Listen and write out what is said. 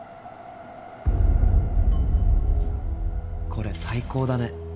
これ最高だね。